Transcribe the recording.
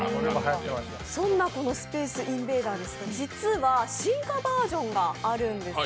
そんな「スペースインベーダー」、実は進化バージョンがあるんです。